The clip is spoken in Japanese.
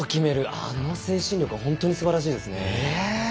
あの精神力は本当にすばらしいですね。